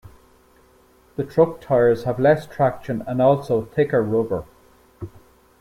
The truck tires have less traction and also thicker rubber.